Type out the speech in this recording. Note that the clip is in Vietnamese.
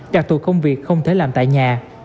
đặc thù công việc không thể làm tại nhà